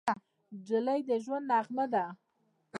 نجلۍ د ژونده نغمه ده.